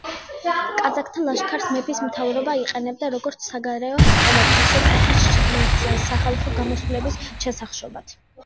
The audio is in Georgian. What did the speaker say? კაზაკთა ლაშქარს მეფის მთავრობა იყენებდა როგორც საგარეო ომებში, ისე ქვეყნის შიგნით, სახალხო გამოსვლების ჩასახშობად.